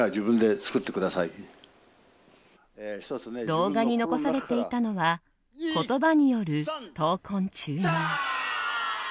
動画に残されていたのは言葉による闘魂注入。